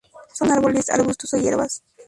Son árboles, arbustos o hierbas.